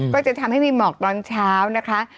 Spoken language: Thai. ก็จะทำให้มีหมอกตอนเช้านะคะ